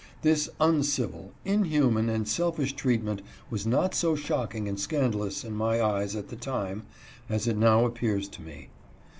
This uncivil, inhuman and selfish treat ment was not so shocking and scandalous in my eyes at the time as it now appears to me.